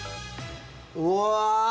うわ。